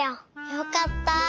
よかった！